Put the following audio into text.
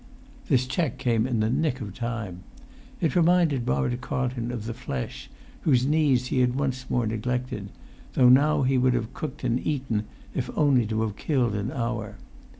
This check came in the nick of time. It reminded Robert Carlton of the flesh, whose needs he had once more neglected, though now he would have cooked and eaten if only to have killed an hour.